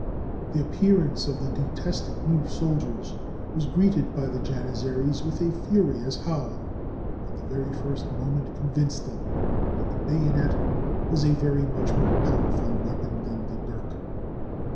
The appearance of the detested new soldiers was greeted by the Janizaries with a furious howl, but the very first moment convinced them that the bayonet was a very much more powerful weapon than the dirk.